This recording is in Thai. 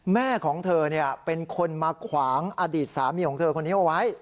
แม่ของเธอเป็นคนมาขวางอดีตสามีของเธอคนนี้เอาไว้